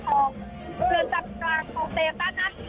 จะถูกรึงให้ของเกลือจับกลางของเตตตะนักศาสตร์